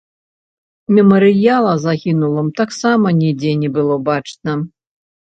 Мемарыяла загінулым таксама нідзе не было бачна.